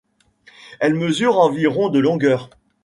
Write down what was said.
Elle mesure environ de longueur.